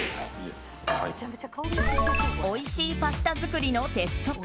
おいしいパスタ作りの鉄則。